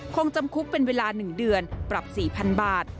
คงจำคุกเป็นเวลา๑เดือนปรับ๔๐๐๐บาท